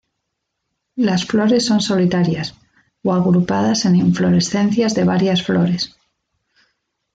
Las flores son solitarias o agrupadas en inflorescencias de varias flores.